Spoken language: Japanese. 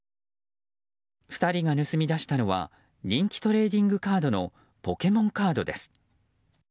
２人が盗み出したのは人気トレーディングカードのポケモンカードです。